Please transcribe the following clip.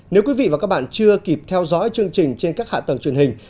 nếu quý vị và các bạn chưa kịp theo dõi chương trình trên các hạ tầng truyền hình